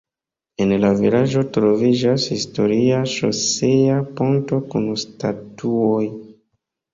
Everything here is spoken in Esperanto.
En la vilaĝo troviĝas historia ŝosea ponto kun statuoj.